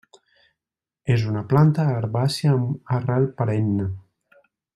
És una planta herbàcia amb arrel perenne.